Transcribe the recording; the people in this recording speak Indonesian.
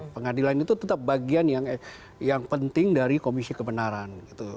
pengadilan itu tetap bagian yang penting dari komisi kebenaran